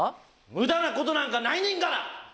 無駄なことなんかないねんから！